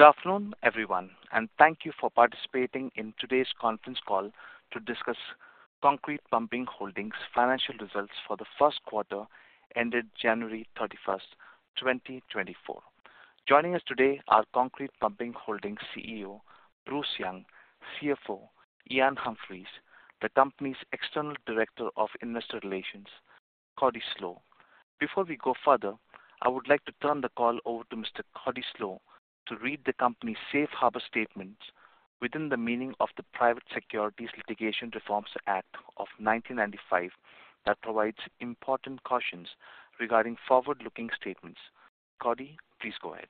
Good afternoon, everyone, and thank you for participating in today's conference call to discuss Concrete Pumping Holdings' financial results for the first quarter ended January 31, 2024. Joining us today are Concrete Pumping Holdings' CEO, Bruce Young, CFO, Iain Humphries, the company's External Director of Investor Relations, Cody Slach. Before we go further, I would like to turn the call over to Mr. Cody Slach to read the company's Safe Harbor statements within the meaning of the Private Securities Litigation Reform Act of 1995, that provides important cautions regarding forward-looking statements. Cody, please go ahead.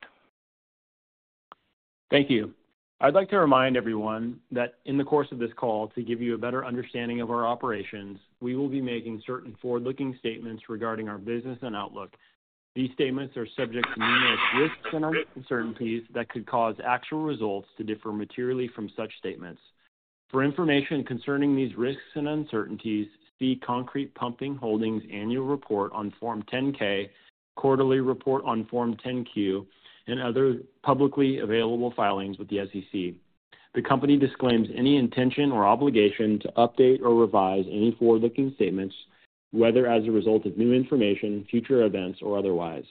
Thank you. I'd like to remind everyone that in the course of this call, to give you a better understanding of our operations, we will be making certain forward-looking statements regarding our business and outlook. These statements are subject to numerous risks and uncertainties that could cause actual results to differ materially from such statements. For information concerning these risks and uncertainties, see Concrete Pumping Holdings' Annual Report on Form 10-K, Quarterly Report on Form 10-Q, and other publicly available filings with the SEC. The company disclaims any intention or obligation to update or revise any forward-looking statements, whether as a result of new information, future events, or otherwise.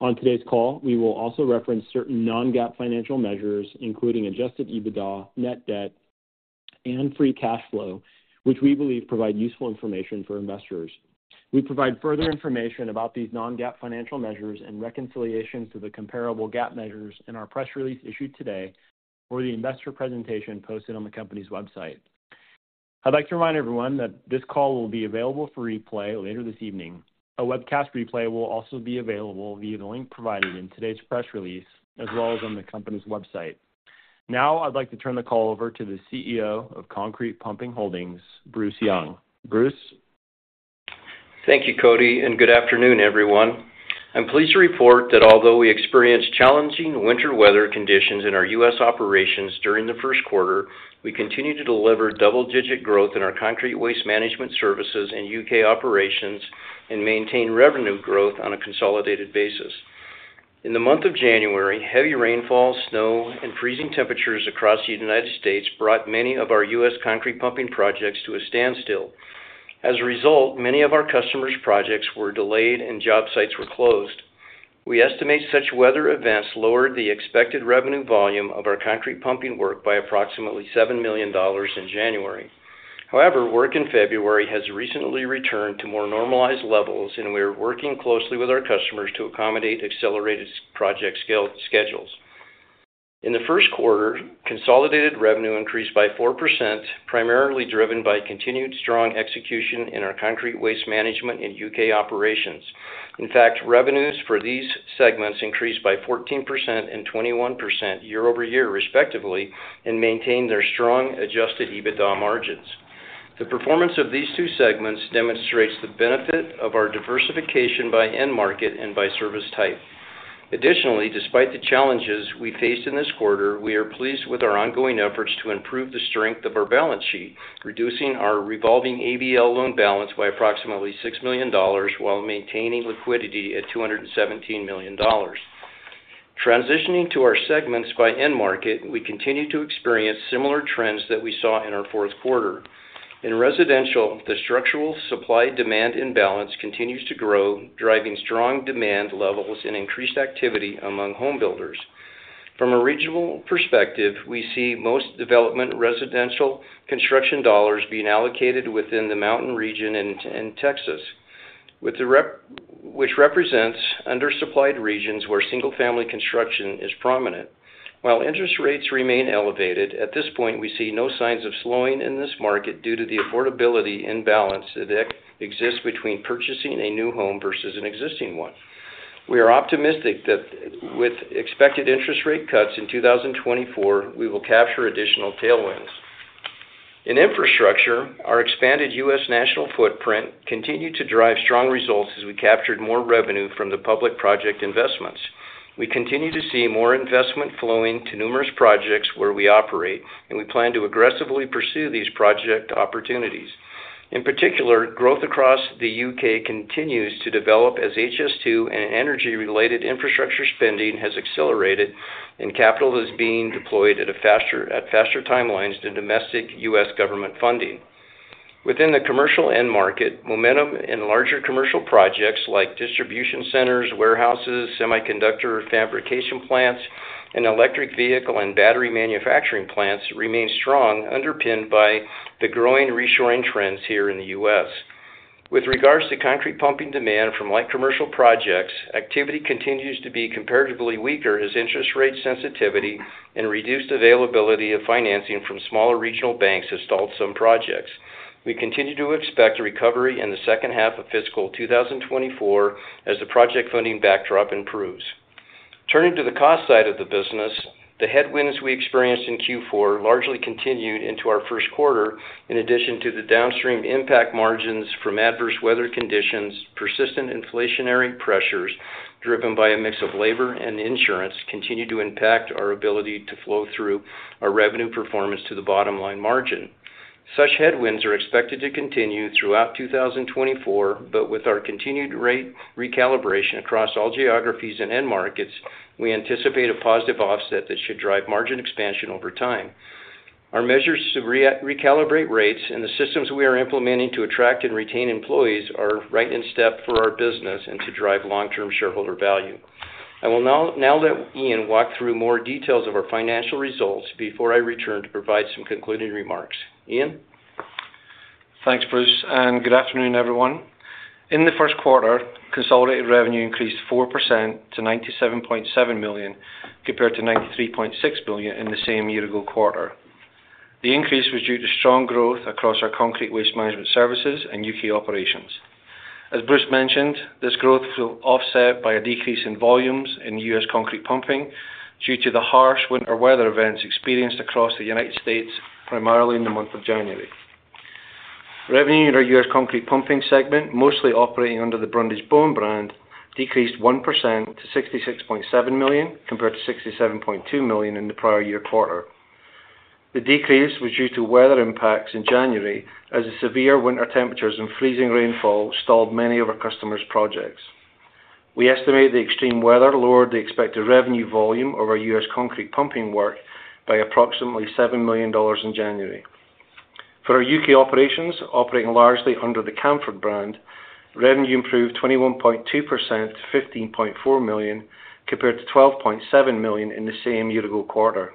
On today's call, we will also reference certain non-GAAP financial measures, including Adjusted EBITDA, net debt, and free cash flow, which we believe provide useful information for investors. We provide further information about these non-GAAP financial measures and reconciliations to the comparable GAAP measures in our press release issued today or the investor presentation posted on the company's website. I'd like to remind everyone that this call will be available for replay later this evening. A webcast replay will also be available via the link provided in today's press release, as well as on the company's website. Now, I'd like to turn the call over to the CEO of Concrete Pumping Holdings, Bruce Young. Bruce? Thank you, Cody, and good afternoon, everyone. I'm pleased to report that although we experienced challenging winter weather conditions in our U.S. operations during the first quarter, we continued to deliver double-digit growth in our concrete waste management services and U.K. operations and maintain revenue growth on a consolidated basis. In the month of January, heavy rainfall, snow, and freezing temperatures across the United States brought many of our U.S. concrete pumping projects to a standstill. As a result, many of our customers' projects were delayed and job sites were closed. We estimate such weather events lowered the expected revenue volume of our concrete pumping work by approximately $7 million in January. However, work in February has recently returned to more normalized levels, and we are working closely with our customers to accommodate accelerated project schedules. In the first quarter, consolidated revenue increased by 4%, primarily driven by continued strong execution in our concrete waste management and U.K. operations. In fact, revenues for these segments increased by 14% and 21% year-over-year, respectively, and maintained their strong Adjusted EBITDA margins. The performance of these two segments demonstrates the benefit of our diversification by end market and by service type. Additionally, despite the challenges we faced in this quarter, we are pleased with our ongoing efforts to improve the strength of our balance sheet, reducing our revolving ABL loan balance by approximately $6 million while maintaining liquidity at $217 million. Transitioning to our segments by end market, we continue to experience similar trends that we saw in our fourth quarter. In residential, the structural supply-demand imbalance continues to grow, driving strong demand levels and increased activity among homebuilders. From a regional perspective, we see most development residential construction dollars being allocated within the Mountain region and Texas, which represents undersupplied regions where single-family construction is prominent. While interest rates remain elevated, at this point, we see no signs of slowing in this market due to the affordability imbalance that exists between purchasing a new home versus an existing one. We are optimistic that with expected interest rate cuts in 2024, we will capture additional tailwinds. In infrastructure, our expanded U.S. national footprint continued to drive strong results as we captured more revenue from the public project investments. We continue to see more investment flowing to numerous projects where we operate, and we plan to aggressively pursue these project opportunities. In particular, growth across the U.K. continues to develop as HS2 and energy-related infrastructure spending has accelerated, and capital is being deployed at faster timelines than domestic U.S. government funding. Within the commercial end market, momentum in larger commercial projects like distribution centers, warehouses, semiconductor fabrication plants, and electric vehicle and battery manufacturing plants remain strong, underpinned by the growing reshoring trends here in the U.S. With regards to concrete pumping demand from light commercial projects, activity continues to be comparatively weaker as interest rate sensitivity and reduced availability of financing from smaller regional banks has stalled some projects. We continue to expect a recovery in the second half of fiscal 2024 as the project funding backdrop improves. Turning to the cost side of the business, the headwinds we experienced in Q4 largely continued into our first quarter. In addition to the downstream impact on margins from adverse weather conditions, persistent inflationary pressures, driven by a mix of labor and insurance, continue to impact our ability to flow through our revenue performance to the bottom-line margin... Such headwinds are expected to continue throughout 2024, but with our continued rate recalibration across all geographies and end markets, we anticipate a positive offset that should drive margin expansion over time. Our measures to recalibrate rates and the systems we are implementing to attract and retain employees are right in step for our business and to drive long-term shareholder value. I will now let Iain walk through more details of our financial results before I return to provide some concluding remarks. Iain? Thanks, Bruce, and good afternoon, everyone. In the first quarter, consolidated revenue increased 4% to $97.7 million, compared to $93.6 million in the same year-ago quarter. The increase was due to strong growth across our concrete waste management services and U.K. operations. As Bruce mentioned, this growth was offset by a decrease in volumes in U.S. concrete pumping due to the harsh winter weather events experienced across the United States, primarily in the month of January. Revenue in our U.S. concrete pumping segment, mostly operating under the Brundage-Bone brand, decreased 1% to $66.7 million, compared to $67.2 million in the prior year quarter. The decrease was due to weather impacts in January, as the severe winter temperatures and freezing rainfall stalled many of our customers' projects. We estimate the extreme weather lowered the expected revenue volume of our U.S. concrete pumping work by approximately $7 million in January. For our U.K. operations, operating largely under the Camfaud brand, revenue improved 21.2% to $15.4 million, compared to $12.7 million in the same year-ago quarter.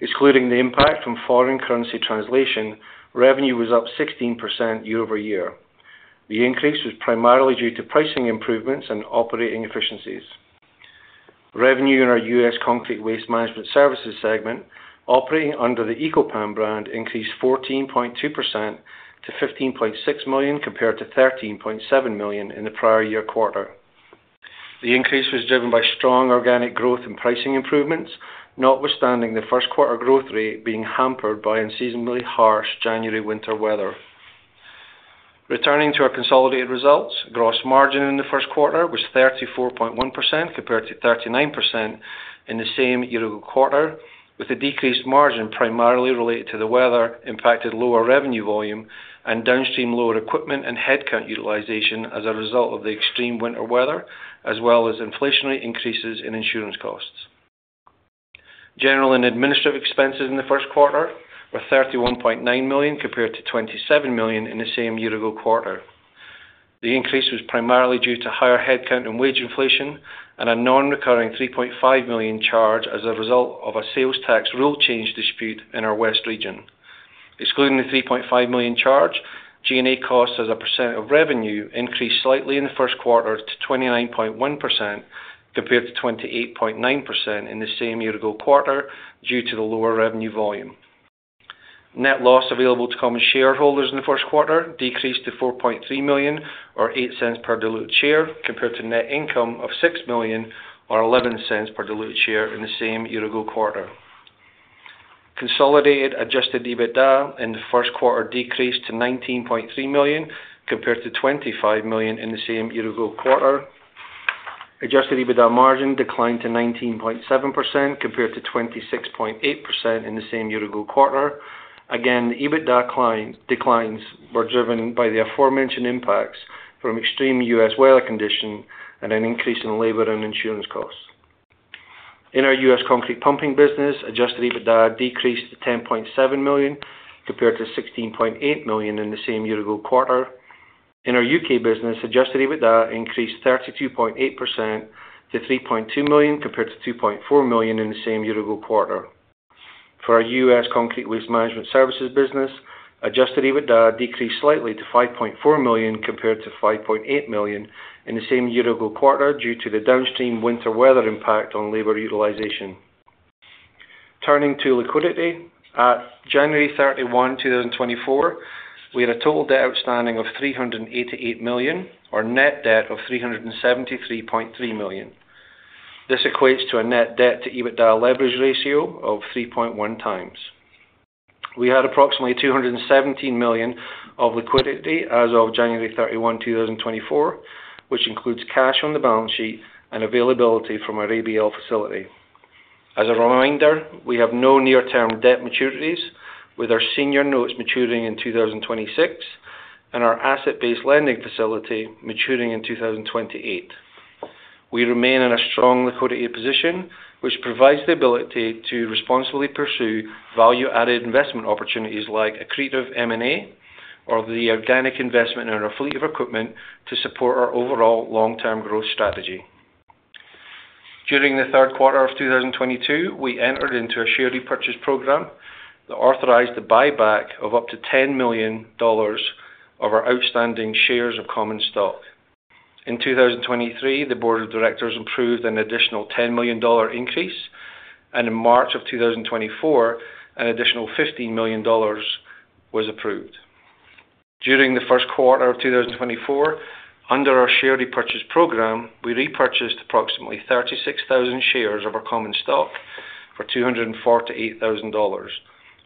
Excluding the impact from foreign currency translation, revenue was up 16% year-over-year. The increase was primarily due to pricing improvements and operating efficiencies. Revenue in our U.S. Concrete Waste Management Services segment, operating under the Eco-Pan brand, increased 14.2% to $15.6 million, compared to $13.7 million in the prior year quarter. The increase was driven by strong organic growth and pricing improvements, notwithstanding the first quarter growth rate being hampered by unseasonably harsh January winter weather. Returning to our consolidated results, gross margin in the first quarter was 34.1%, compared to 39% in the same year-ago quarter, with a decreased margin primarily related to the weather-impacted lower revenue volume and downstream lower equipment and headcount utilization as a result of the extreme winter weather, as well as inflationary increases in insurance costs. General and administrative expenses in the first quarter were $31.9 million, compared to $27 million in the same year-ago quarter. The increase was primarily due to higher headcount and wage inflation, and a non-recurring $3.5 million charge as a result of a sales tax rule change dispute in our West region. Excluding the $3.5 million charge, G&A costs as a percent of revenue increased slightly in the first quarter to 29.1%, compared to 28.9% in the same year-ago quarter, due to the lower revenue volume. Net loss available to common shareholders in the first quarter decreased to $4.3 million, or $0.08 per diluted share, compared to net income of $6 million or $0.11 per diluted share in the same year-ago quarter. Consolidated Adjusted EBITDA in the first quarter decreased to $19.3 million, compared to $25 million in the same year-ago quarter. Adjusted EBITDA margin declined to 19.7%, compared to 26.8% in the same year-ago quarter. Again, the EBITDA declines were driven by the aforementioned impacts from extreme U.S. weather conditions and an increase in labor and insurance costs. In our U.S. concrete pumping business, Adjusted EBITDA decreased to $10.7 million, compared to $16.8 million in the same year-ago quarter. In our U.K. business, Adjusted EBITDA increased 32.8% to $3.2 million, compared to $2.4 million in the same year-ago quarter. For our U.S. Concrete Waste Management Services business, Adjusted EBITDA decreased slightly to $5.4 million, compared to $5.8 million in the same year-ago quarter, due to the downstream winter weather impact on labor utilization. Turning to liquidity. At January 31, 2024, we had a total debt outstanding of $388 million, or net debt of $373.3 million. This equates to a net debt to EBITDA leverage ratio of 3.1x. We had approximately $217 million of liquidity as of January 31, 2024, which includes cash on the balance sheet and availability from our ABL facility. As a reminder, we have no near-term debt maturities, with our senior notes maturing in 2026, and our asset-based lending facility maturing in 2028. We remain in a strong liquidity position, which provides the ability to responsibly pursue value-added investment opportunities like accretive M&A or the organic investment in our fleet of equipment to support our overall long-term growth strategy. During the third quarter of 2022, we entered into a share repurchase program that authorized the buyback of up to $10 million of our outstanding shares of common stock. In 2023, the Board of Directors approved an additional $10 million increase, and in March of 2024, an additional $15 million was approved. During the first quarter of 2024, under our share repurchase program, we repurchased approximately 36,000 shares of our common stock for $248,000,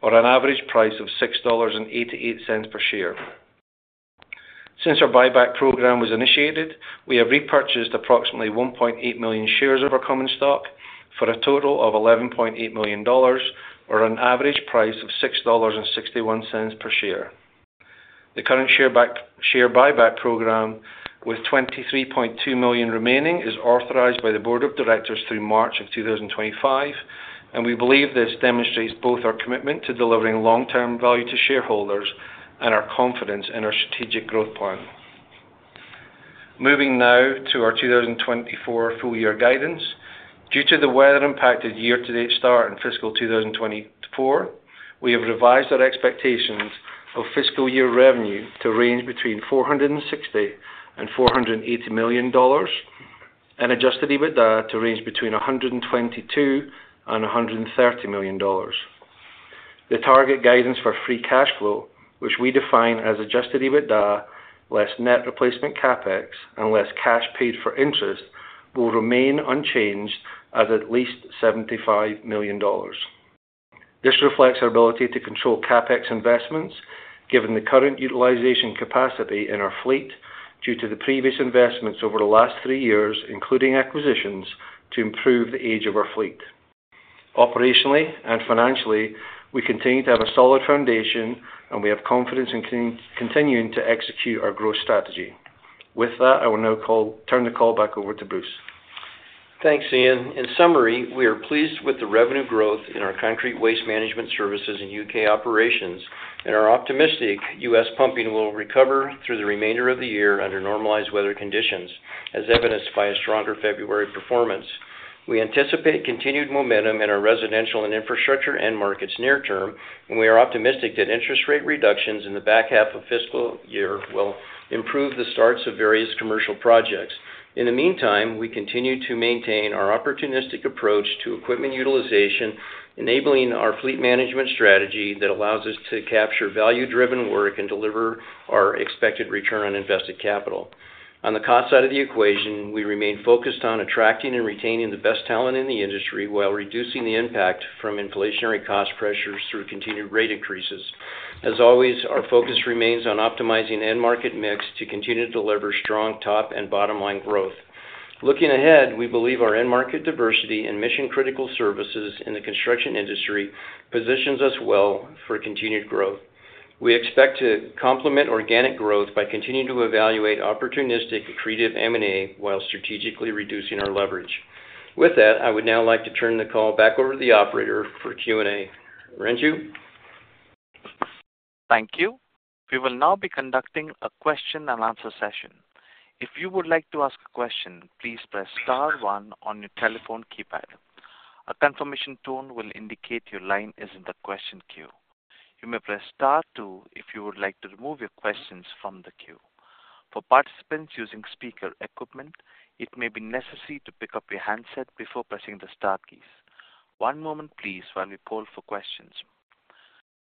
or an average price of $6.88 per share.... Since our buyback program was initiated, we have repurchased approximately 1.8 million shares of our common stock for a total of $11.8 million, or an average price of $6.61 per share. The current share buyback program, with 23.2 million remaining, is authorized by the Board of Directors through March 2025, and we believe this demonstrates both our commitment to delivering long-term value to shareholders and our confidence in our strategic growth plan. Moving now to our 2024 full year guidance. Due to the weather-impacted year-to-date start in fiscal 2024, we have revised our expectations of fiscal year revenue to range between $460 million and $480 million, and Adjusted EBITDA to range between $122 million and $130 million. The target guidance for free cash flow, which we define as Adjusted EBITDA less net replacement CapEx and less cash paid for interest, will remain unchanged at least $75 million. This reflects our ability to control CapEx investments, given the current utilization capacity in our fleet due to the previous investments over the last three years, including acquisitions, to improve the age of our fleet. Operationally and financially, we continue to have a solid foundation, and we have confidence in continuing to execute our growth strategy. With that, I will now turn the call back over to Bruce. Thanks, Iain. In summary, we are pleased with the revenue growth in our concrete waste management services and U.K. operations, and are optimistic U.S. pumping will recover through the remainder of the year under normalized weather conditions, as evidenced by a stronger February performance. We anticipate continued momentum in our residential and infrastructure end markets near term, and we are optimistic that interest rate reductions in the back half of fiscal year will improve the starts of various commercial projects. In the meantime, we continue to maintain our opportunistic approach to equipment utilization, enabling our fleet management strategy that allows us to capture value-driven work and deliver our expected return on invested capital. On the cost side of the equation, we remain focused on attracting and retaining the best talent in the industry while reducing the impact from inflationary cost pressures through continued rate increases. As always, our focus remains on optimizing end market mix to continue to deliver strong top and bottom line growth. Looking ahead, we believe our end market diversity and mission-critical services in the construction industry positions us well for continued growth. We expect to complement organic growth by continuing to evaluate opportunistic accretive M&A while strategically reducing our leverage. With that, I would now like to turn the call back over to the operator for Q&A. Renju? Thank you. We will now be conducting a question and answer session. If you would like to ask a question, please press star one on your telephone keypad. A confirmation tone will indicate your line is in the question queue. You may press star two if you would like to remove your questions from the queue. For participants using speaker equipment, it may be necessary to pick up your handset before pressing the star keys. One moment please while we poll for questions.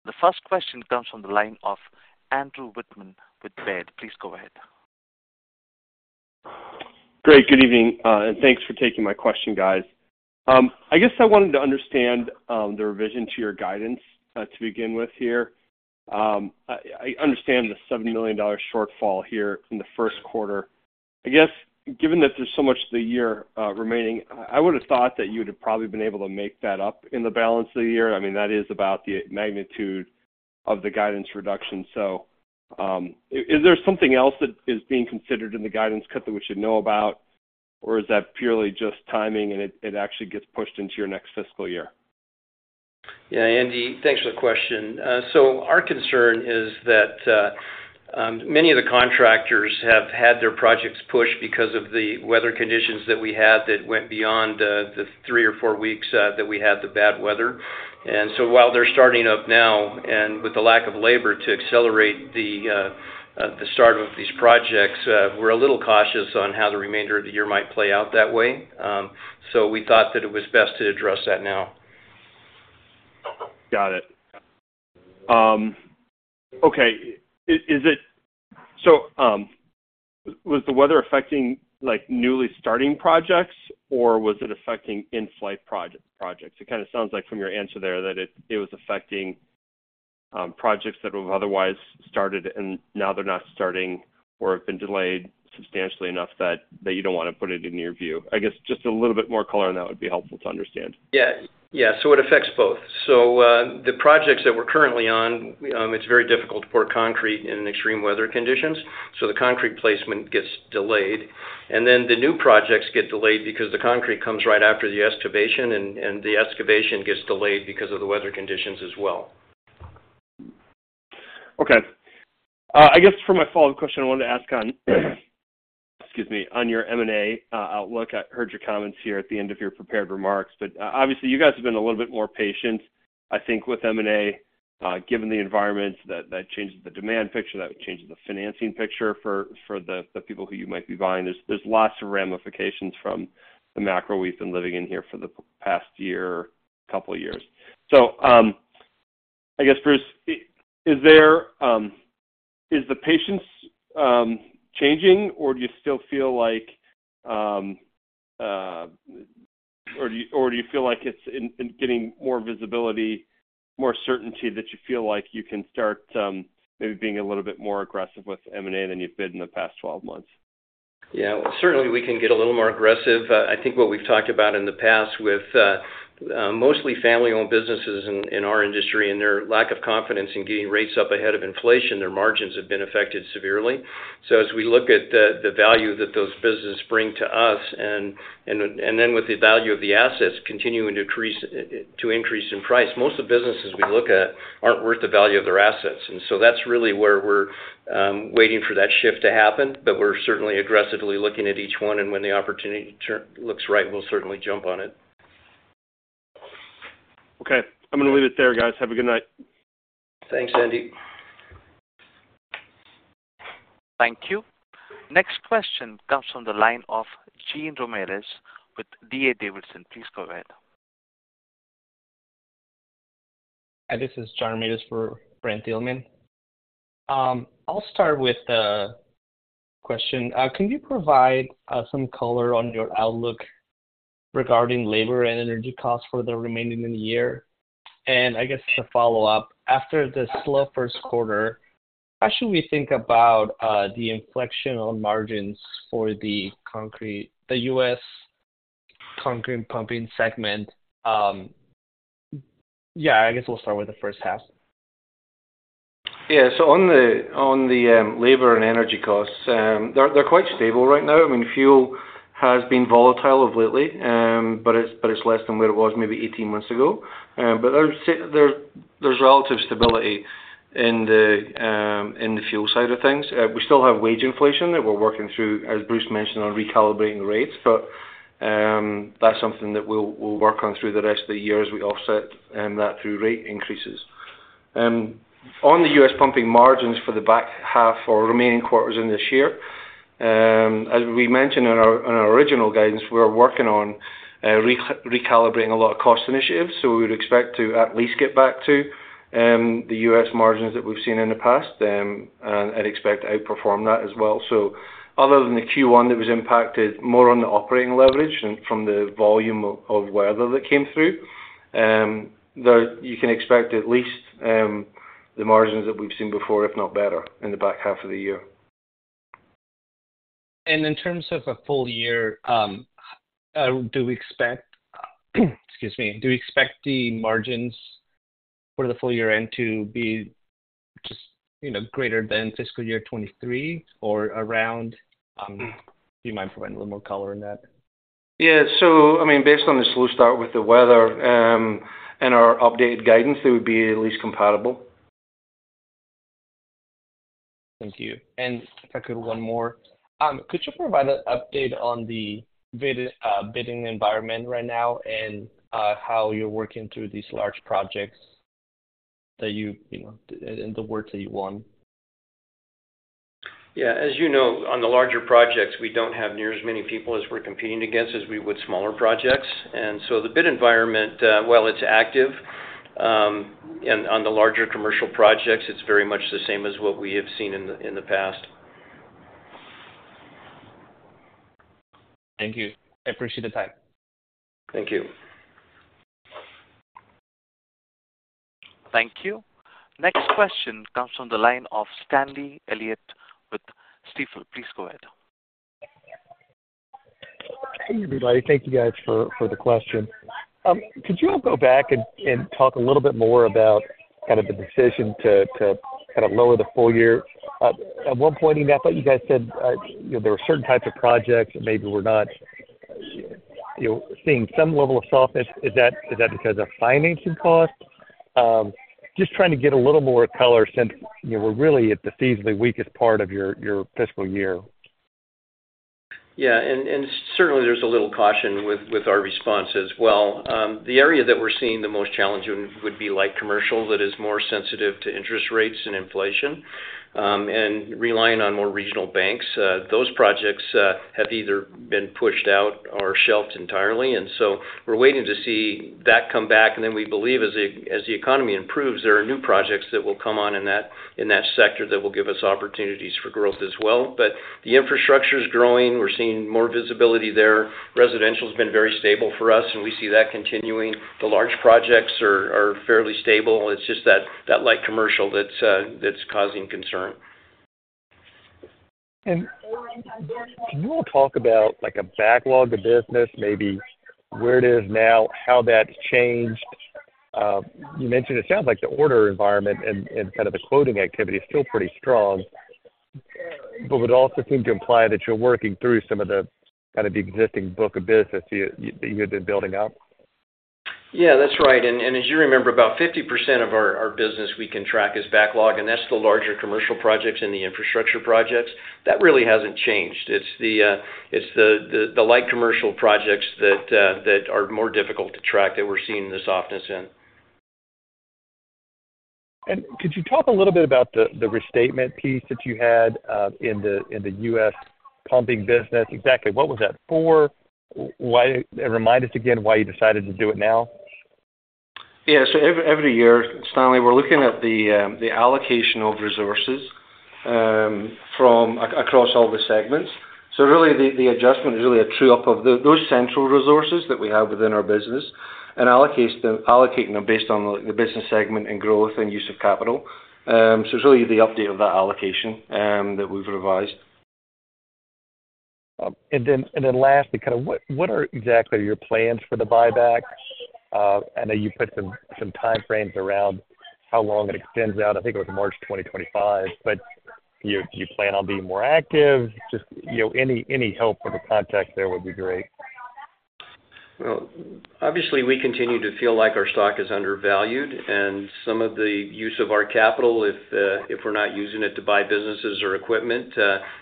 The first question comes from the line of Andrew Wittmann with Baird. Please go ahead. Great, good evening, and thanks for taking my question, guys. I guess I wanted to understand the revision to your guidance to begin with here. I understand the $70 million shortfall here in the first quarter. I guess, given that there's so much of the year remaining, I would've thought that you would've probably been able to make that up in the balance of the year. I mean, that is about the magnitude of the guidance reduction. So, is there something else that is being considered in the guidance cut that we should know about, or is that purely just timing, and it actually gets pushed into your next fiscal year? Yeah, Andy, thanks for the question. So our concern is that many of the contractors have had their projects pushed because of the weather conditions that we had that went beyond the three or four weeks that we had the bad weather. And so while they're starting up now, and with the lack of labor to accelerate the start of these projects, we're a little cautious on how the remainder of the year might play out that way. So we thought that it was best to address that now. Got it. Okay, is it... So, was the weather affecting, like, newly starting projects, or was it affecting in-flight projects? It kind of sounds like from your answer there, that it, it was affecting projects that would've otherwise started and now they're not starting or have been delayed substantially enough that, that you don't want to put it in your view. I guess just a little bit more color on that would be helpful to understand. Yeah. Yeah, so it affects both. So, the projects that we're currently on, it's very difficult to pour concrete in extreme weather conditions, so the concrete placement gets delayed. And then the new projects get delayed because the concrete comes right after the excavation, and the excavation gets delayed because of the weather conditions as well. Okay. I guess for my follow-up question, I wanted to ask on, excuse me, on your M&A outlook. I heard your comments here at the end of your prepared remarks, but obviously, you guys have been a little bit more patient, I think, with M&A, given the environment that changes the demand picture, that changes the financing picture for the people who you might be buying. There's lots of ramifications from the macro we've been living in here for the past year, couple years. So, I guess, Bruce, is there is the patience changing, or do you still feel like?... or do you, or do you feel like it's in getting more visibility, more certainty that you feel like you can start, maybe being a little bit more aggressive with M&A than you've been in the past 12 months? Yeah, certainly, we can get a little more aggressive. I think what we've talked about in the past with mostly family-owned businesses in our industry and their lack of confidence in getting rates up ahead of inflation, their margins have been affected severely. So as we look at the value that those businesses bring to us, and then with the value of the assets continuing to increase in price, most of the businesses we look at aren't worth the value of their assets. And so that's really where we're waiting for that shift to happen. But we're certainly aggressively looking at each one, and when the opportunity looks right, we'll certainly jump on it. Okay. I'm gonna leave it there, guys. Have a good night. Thanks, Andy. Thank you. Next question comes from the line of Jean Ramirez with D.A. Davidson. Please go ahead. Hi, this is Jean Ramirez for Brent Thielman. I'll start with the question: Can you provide some color on your outlook regarding labor and energy costs for the remaining of the year? And I guess to follow up, after the slow first quarter, how should we think about the inflection on margins for the U.S. concrete pumping segment? Yeah, I guess we'll start with the first half. Yeah. So on the labor and energy costs, they're quite stable right now. I mean, fuel has been volatile of late, but it's less than where it was maybe 18 months ago. But there's relative stability in the fuel side of things. We still have wage inflation that we're working through, as Bruce mentioned, on recalibrating the rates. But that's something that we'll work on through the rest of the year as we offset that through rate increases. On the U.S. pumping margins for the back half or remaining quarters in this year, as we mentioned in our, in our original guidance, we're working on recalibrating a lot of cost initiatives, so we would expect to at least get back to the U.S. margins that we've seen in the past, and expect to outperform that as well. So other than the Q1, that was impacted more on the operating leverage and from the volume of weather that came through, you can expect at least the margins that we've seen before, if not better, in the back half of the year. In terms of a full year, do we expect, excuse me, do we expect the margins for the full year end to be just, you know, greater than fiscal year 2023 or around? Do you mind providing a little more color on that? Yeah. So, I mean, based on the slow start with the weather, and our updated guidance, it would be at least comparable. Thank you. And if I could, one more. Could you provide an update on the bidding environment right now and how you're working through these large projects that you, you know, and the work that you won? Yeah. As you know, on the larger projects, we don't have near as many people as we're competing against as we would smaller projects. And so the bid environment, while it's active, and on the larger commercial projects, it's very much the same as what we have seen in the past. Thank you. I appreciate the time. Thank you. Thank you. Next question comes from the line of Stanley Elliott with Stifel. Please go ahead. Hey, everybody. Thank you guys for the question. Could you all go back and talk a little bit more about kind of the decision to kind of lower the full year? At one point, I thought you guys said, you know, there were certain types of projects that maybe were not, you know, seeing some level of softness. Is that because of financing costs? Just trying to get a little more color since, you know, we're really at the seasonally weakest part of your fiscal year. Yeah. Certainly there's a little caution with our response as well. The area that we're seeing the most challenging would be light commercial that is more sensitive to interest rates and inflation, and relying on more regional banks. Those projects have either been pushed out or shelved entirely, and so we're waiting to see that come back, and then we believe as the economy improves, there are new projects that will come on in that sector that will give us opportunities for growth as well. But the infrastructure is growing. We're seeing more visibility there. Residential has been very stable for us, and we see that continuing. The large projects are fairly stable. It's just that light commercial that's causing concern. Can you all talk about, like, a backlog of business, maybe where it is now, how that's changed? You mentioned it sounds like the order environment and kind of the quoting activity is still pretty strong, but would also seem to imply that you're working through some of the kind of the existing book of business you have been building up. Yeah, that's right. And as you remember, about 50% of our business we can track is backlog, and that's the larger commercial projects and the infrastructure projects. That really hasn't changed. It's the light commercial projects that are more difficult to track that we're seeing the softness in. Could you talk a little bit about the restatement piece that you had in the U.S. pumping business? Exactly, what was that for? Why? Remind us again why you decided to do it now? Yeah, so every year, Stanley, we're looking at the allocation of resources from across all the segments. So really, the adjustment is really a true up of those central resources that we have within our business, and allocating them based on the business segment and growth and use of capital. So it's really the update of that allocation that we've revised. And then lastly, kind of what are exactly your plans for the buyback? I know you put some time frames around how long it extends out. I think it was March 2025, but do you plan on being more active? Just, you know, any help with the context there would be great. Well, obviously, we continue to feel like our stock is undervalued, and some of the use of our capital, if we're not using it to buy businesses or equipment,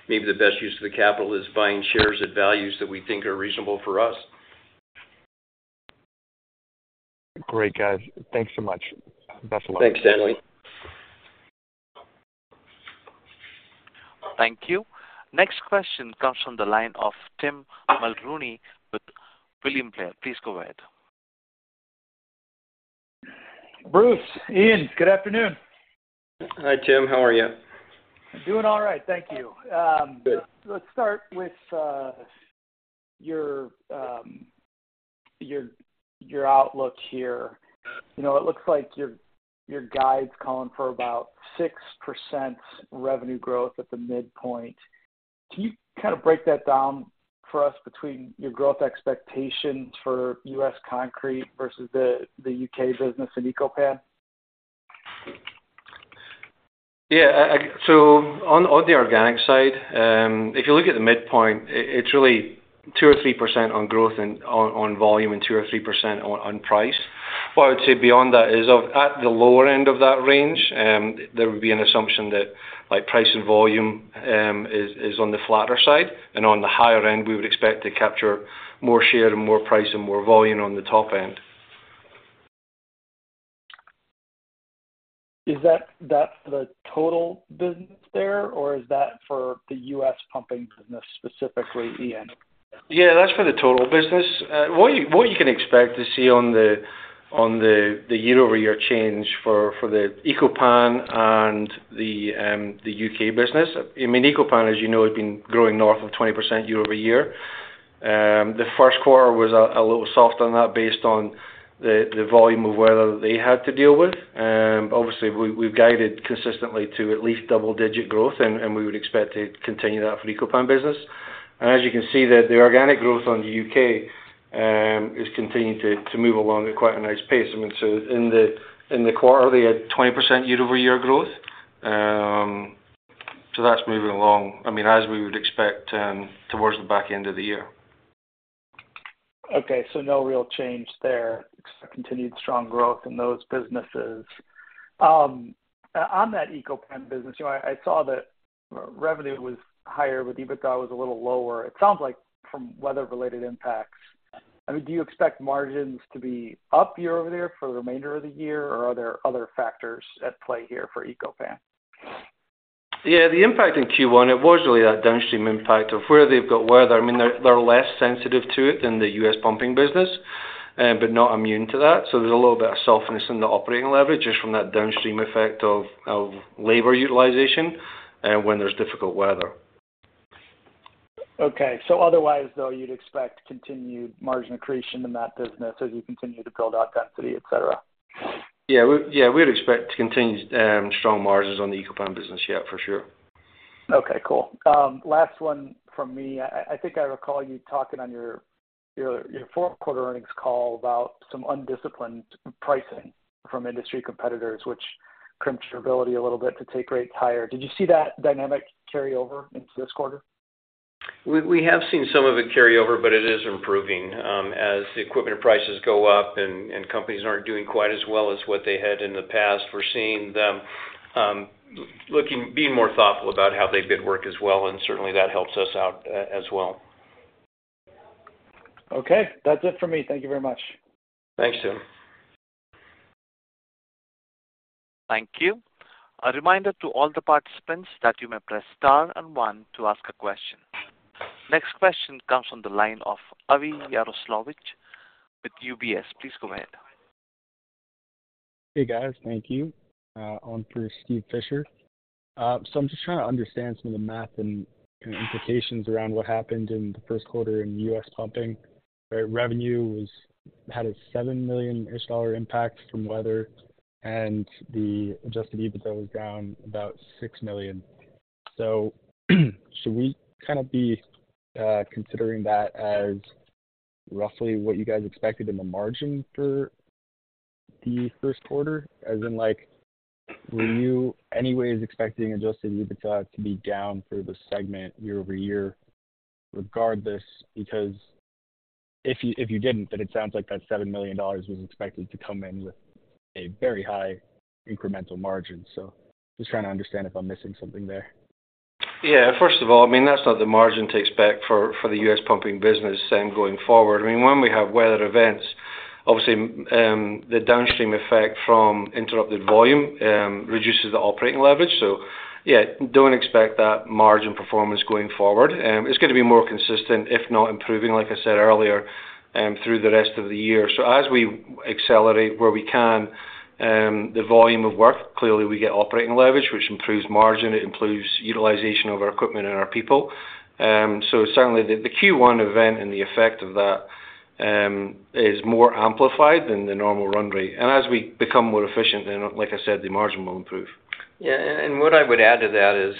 maybe the best use of the capital is buying shares at values that we think are reasonable for us. Great, guys. Thanks so much. Best of luck. Thanks, Stanley. Thank you. Next question comes from the line of Tim Mulrooney with William Blair. Please go ahead. Bruce, Iain, good afternoon. Hi, Tim. How are you? Doing all right. Thank you. Good. Let's start with your outlook here. You know, it looks like your guide's calling for about 6% revenue growth at the midpoint. Can you kind of break that down for us between your growth expectations for U.S. Concrete versus the U.K. business and Eco-Pan? Yeah, so on the organic side, if you look at the midpoint, it's really 2%-3% on growth and on volume, and 2%-3% on price. What I would say beyond that is, at the lower end of that range, there would be an assumption that, like, price and volume is on the flatter side, and on the higher end, we would expect to capture more share and more price and more volume on the top end. Is that the total business there, or is that for the U.S. pumping business, specifically, Iain? Yeah, that's for the total business. What you can expect to see on the year-over-year change for the Eco-Pan and the U.K. business, I mean, Eco-Pan, as you know, has been growing north of 20% year-over-year. The first quarter was a little soft on that based on the volume of weather they had to deal with. Obviously, we've guided consistently to at least double-digit growth, and we would expect to continue that for Eco-Pan business. As you can see, the organic growth on the U.K. is continuing to move along at quite a nice pace. I mean, so in the quarter, they had 20% year-over-year growth. So that's moving along, I mean, as we would expect, towards the back end of the year. Okay, so no real change there. Continued strong growth in those businesses. On that Eco-Pan business, you know, I, I saw that revenue was higher, but EBITDA was a little lower. It sounds like from weather-related impacts. I mean, do you expect margins to be up year-over-year for the remainder of the year, or are there other factors at play here for Eco-Pan? Yeah, the impact in Q1, it was really that downstream impact of where they've got weather. I mean, they're, they're less sensitive to it than the U.S. pumping business, but not immune to that. So there's a little bit of softness in the operating leverage, just from that downstream effect of, of labor utilization, when there's difficult weather. Okay. Otherwise, though, you'd expect continued margin accretion in that business as you continue to build out density, et cetera? Yeah, we, yeah, we'd expect to continue strong margins on the Eco-Pan business, yeah, for sure. Okay, cool. Last one from me. I think I recall you talking on your fourth quarter earnings call about some undisciplined pricing from industry competitors, which crimped your ability a little bit to take rates higher. Did you see that dynamic carry over into this quarter? We have seen some of it carry over, but it is improving. As the equipment prices go up and companies aren't doing quite as well as what they had in the past, we're seeing them looking, being more thoughtful about how they bid work as well, and certainly that helps us out as well. Okay. That's it for me. Thank you very much. Thanks, Tim. Thank you. A reminder to all the participants that you may press Star and One to ask a question. Next question comes from the line of Avi Jaroslawicz with UBS. Please go ahead. Hey, guys. Thank you. On for Steve Fisher. So I'm just trying to understand some of the math and implications around what happened in the first quarter in U.S. pumping, where revenue was... had a $7 million-ish dollar impact from weather, and the Adjusted EBITDA was down about $6 million. So should we kind of be considering that as roughly what you guys expected in the margin for the first quarter? As in, like, were you anyways expecting Adjusted EBITDA to be down for the segment year-over-year, regardless? Because if you, if you didn't, then it sounds like that $7 million was expected to come in with a very high incremental margin. So just trying to understand if I'm missing something there. Yeah, first of all, I mean, that's not the margin to expect for the U.S. pumping business then going forward. I mean, when we have weather events, obviously, the downstream effect from interrupted volume reduces the operating leverage. So yeah, don't expect that margin performance going forward. It's gonna be more consistent, if not improving, like I said earlier, through the rest of the year. So as we accelerate where we can the volume of work, clearly we get operating leverage, which improves margin, it improves utilization of our equipment and our people. So certainly, the Q1 event and the effect of that is more amplified than the normal run rate. And as we become more efficient, then, like I said, the margin will improve. Yeah, what I would add to that is,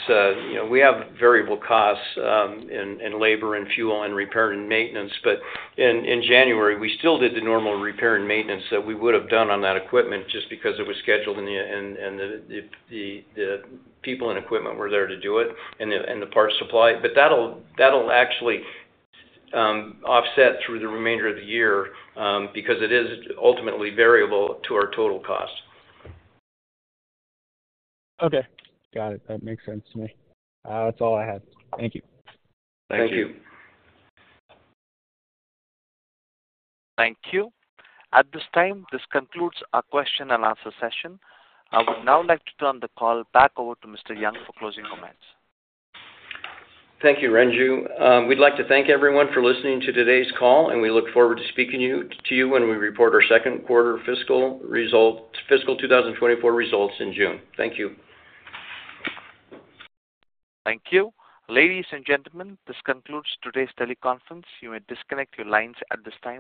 you know, we have variable costs in labor and fuel and repair and maintenance, but in January, we still did the normal repair and maintenance that we would have done on that equipment just because it was scheduled and the people and equipment were there to do it, and the parts supply. But that'll actually offset through the remainder of the year, because it is ultimately variable to our total cost. Okay, got it. That makes sense to me. That's all I have. Thank you. Thank you. Thank you. Thank you. At this time, this concludes our question and answer session. I would now like to turn the call back over to Mr. Young for closing comments. Thank you, Renju. We'd like to thank everyone for listening to today's call, and we look forward to speaking to you when we report our second quarter fiscal results, fiscal 2024 results in June. Thank you. Thank you. Ladies and gentlemen, this concludes today's teleconference. You may disconnect your lines at this time.